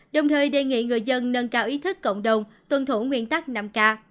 đồng thời đề nghị người dân nâng cao ý thức cộng đồng tuân thủ nguyên tắc năm k